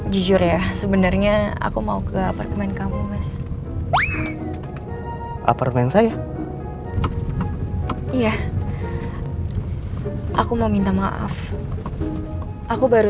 jujur ya sebenarnya aku mau ke apartemen kamu mas apartemen saya iya aku mau minta maaf aku baru